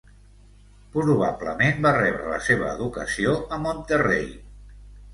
Probablement va rebre la seva educació a Monterrey.